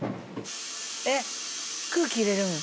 えっ空気入れるん？